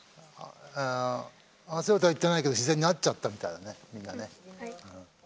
合わせろとは言ってないけど自然に合っちゃったみたいだねみんなね。